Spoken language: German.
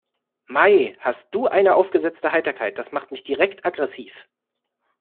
Mei, hast du eine aufgesetzte Heiterkeit, das macht mich direkt aggressiv.